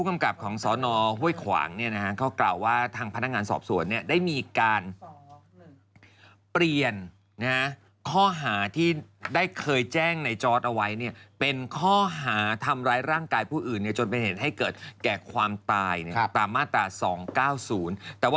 เออประมาณนั้นนะแกก็กระอักกันสิแกก็ถีบซาเล้งมาโดนนายทาราธรโสดตียังหรือไอ้จอดนี่แหละอายุ๒๘ปี